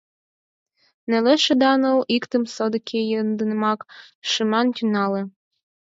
— Нелеш ида нал, иктым, содыки, йоднемак, — шыман тӱҥале.